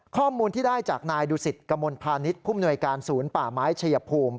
ข้อมูลที่ได้จากนายดูสิตกระมวลพาณิชย์ผู้มนวยการศูนย์ป่าไม้ชัยภูมิ